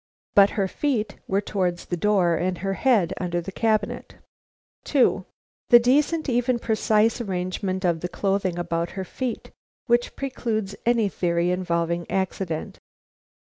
(But her feet were towards the door and her head under the cabinet.) 2. The decent, even precise, arrangement of the clothing about her feet, which precludes any theory involving accident.